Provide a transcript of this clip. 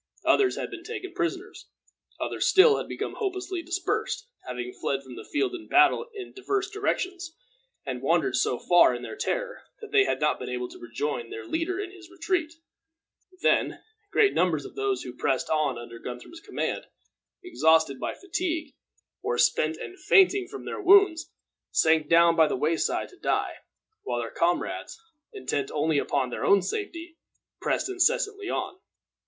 Others had been taken prisoners. Others still had become hopelessly dispersed, having fled from the field of battle in diverse directions, and wandered so far, in their terror, that they had not been able to rejoin their leader in his retreat. Then, great numbers of those who pressed on under Guthrum's command, exhausted by fatigue, or spent and fainting from their wounds, sank down by the way side to die, while their comrades, intent only upon their own safety, pressed incessantly on.